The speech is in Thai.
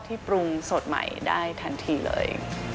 ที่ปรุงส่วนใหม่ได้ทันทีเลย